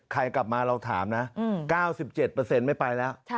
กลับมาเราถามนะ๙๗ไม่ไปแล้ว